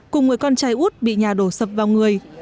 cùng người con trai út bị nhà đổ sập vào người